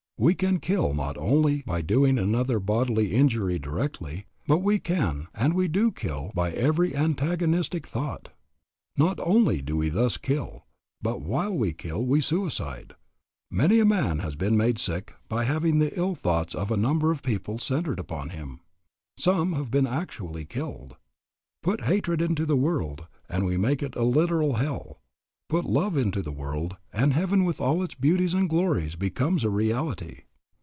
We can kill not only by doing another bodily injury directly, but we can and we do kill by every antagonistic thought. Not only do we thus kill, but while we kill we suicide. Many a man has been made sick by having the ill thoughts of a number of people centred upon him; some have been actually killed. Put hatred into the world and we make it a literal hell. Put love into the world and heaven with all its beauties and glories becomes a reality.